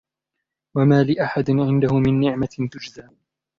وما لأحد عنده من نعمة تجزى